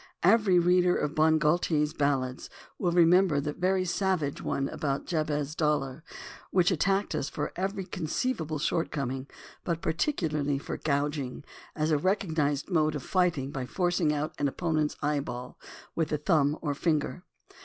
Every reader of Bon Gaultier's Ballads will remember the veiy savage one about Jabez Dollar, which at tacked us for every conceivable shortcoming, but par ticularly for "gouging" as a recognized mode of fight ing by forcing out an opponent's eyeball with the thumb or finger.